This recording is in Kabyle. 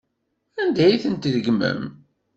Anda ay tent-tregmem?